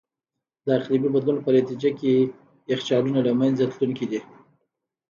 د اقلیمي بدلون په نتیجه کې یخچالونه له منځه تلونکي دي.